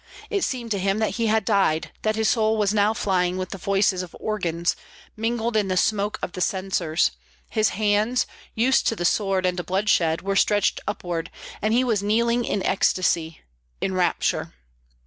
It seemed to him that he had died, that his soul was now flying with the voices of organs, mingled in the smoke of the censers; his hands, used to the sword and to bloodshed, were stretched upward, and he was kneeling in ecstasy, in rapture.